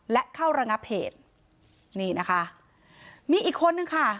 และเข้าระงับเหตุนี่นะคะมีอีกคนนึงค่ะ